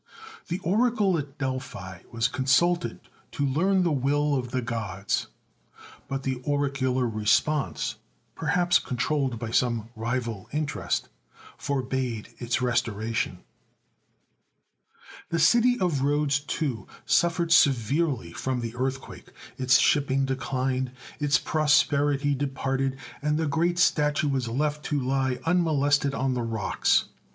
The oracle at Delphi was consulted to learn the will of the gods, but the oracular response, perhaps controlled by some rival interest, forbade its restoration. 1 64 THE SEVEN WONDERS The city of Rhodes, too, suffered severely from the earthquake; its shipping declined; its pros perity departed, and the great statue was left to lie unmolested on the rocks.